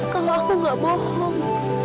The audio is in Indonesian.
kalau aku tidak bohong